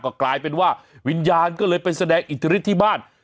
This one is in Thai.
ก็กลายเป็นว่าวิญญาณก็เลยไปแสดงอิทธิฤทธิที่บ้าน